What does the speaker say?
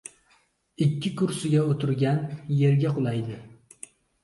• Ikki kursiga o‘tirgan yerga qulaydi.